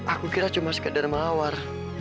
aku kira cuma sekedar melawar